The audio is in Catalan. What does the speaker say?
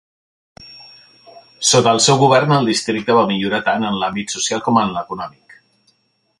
Sota el seu govern, el districte va millorar tant en l'àmbit social com en l'econòmic.